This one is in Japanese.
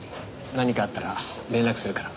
何かあったら連絡するから。